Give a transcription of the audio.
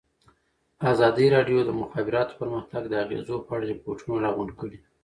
ازادي راډیو د د مخابراتو پرمختګ د اغېزو په اړه ریپوټونه راغونډ کړي.